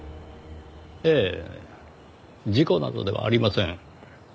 ええ事故などではありません。